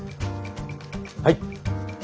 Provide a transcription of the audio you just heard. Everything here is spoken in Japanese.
はい。